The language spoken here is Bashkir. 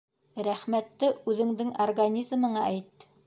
Рәхмәтте үҙеңдең организмыңа әйт!